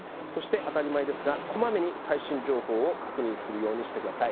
そして当たり前ですがこまめに最新情報を確認するようにしてください。